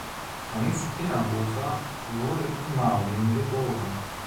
Franz Innerhofer wurde in Marling geboren.